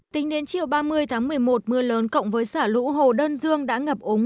tính đến chiều ba mươi tháng một mươi một mưa lớn cộng với xả lũ hồ đơn dương đã ngập ống